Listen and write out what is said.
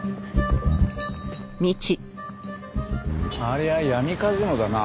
ありゃ闇カジノだな。